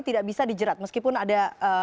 tidak bisa dijerat meskipun ada